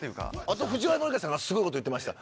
あと藤原紀香さんがすごいこと言ってました。